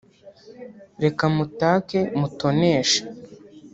reka mutake mutoneshe